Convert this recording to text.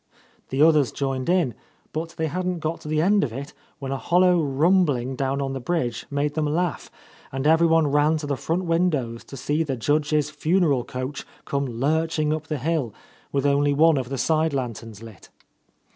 The others joined in, but they hadn't got to the end of it when a hollow rumbling down on the bridge made them laugh, and everyone ran to the front windows to see the Judge's funeral coach come lurching up the hill, with only one of the side lanterns lit.